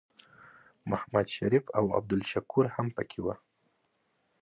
محمد شریف او عبدالشکور هم پکې وو.